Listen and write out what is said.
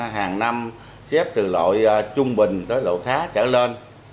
hàng năm xếp từ loại trung bình tới loại khá trở lên